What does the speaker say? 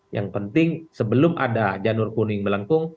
yang penting sebelum ada janur kuning melengkung